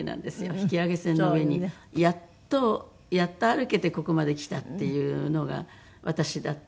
引き揚げ船の上にやっとやっと歩けてここまで来たっていうのが私だったので。